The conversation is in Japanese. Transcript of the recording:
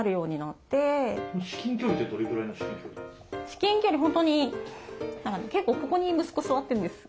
至近距離本当に結構ここに息子座ってるんです。